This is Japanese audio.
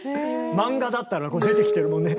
漫画だったらこう出てきてるもんね